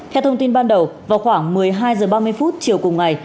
theo thông tin ban đầu vào khoảng một mươi hai h ba mươi chiều cùng ngày